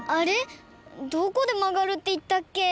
どこでまがるっていったっけ？